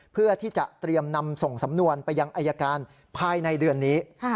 เพื่อที่จะเตรียมนำส่งสำนวนไปยังอายการภายในเดือนนี้